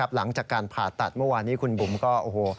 หลังจากการผ่าตัดเมื่อวานนี้คุณบุ๋มก็โอ้โห